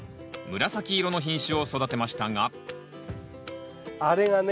紫色の品種を育てましたがあれがね。